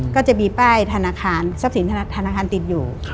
ก็จะมีป้ายธนาคารทรัพย์สินธนาคารติดอยู่